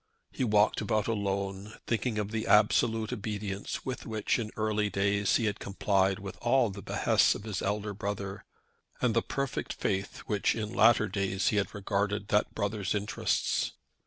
He walked about alone thinking of the absolute obedience with which in early days he had complied with all the behests of his elder brother, and the perfect faith with which in latter days he had regarded that brother's interests.